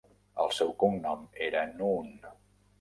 El seu cognom era Noone.